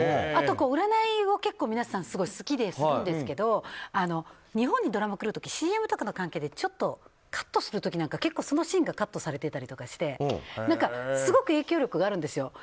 あと占いを結構皆さん好きでするんですけど日本にドラマ来る時ＣＭの関係でちょっとカットする時そのシーンがカットされてたりしてすごく影響力があるんですよ。